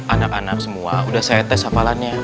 anak anak semua udah saya tes hafalannya